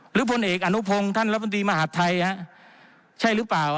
พลเอกอนุพงศ์ท่านรัฐมนตรีมหาดไทยใช่หรือเปล่า